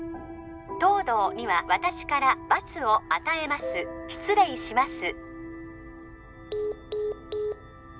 東堂には私から罰を与えます失礼します